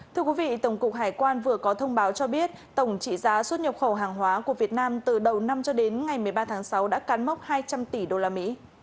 thưa quý vị tổng cục hải quan vừa có thông báo cho biết tổng trị giá xuất nhập khẩu hàng hóa của việt nam từ đầu năm cho đến ngày một mươi ba tháng sáu đã cán mốc hai trăm linh tỷ đô la mỹ